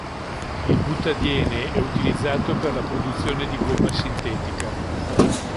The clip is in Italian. Il butadiene è utilizzato per la produzione di gomma sintetica.